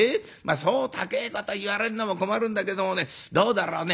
「そう高えこと言われんのも困るんだけどもねどうだろうね？